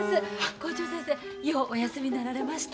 校長先生ようおやすみになられました？